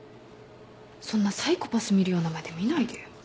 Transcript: そんなサイコパス見るような目で見ないでよ。